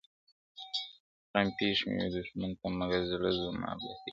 غم پېښ مي وي دښمن ته مګر زړه زما په زهیر دی,